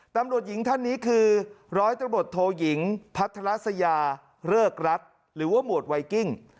ตำรวจหญิงท่านนี้คือร้อยตำรวจโทยิงพัทรสยาเริกรัฐหรือว่าหมวดไวกิ้ง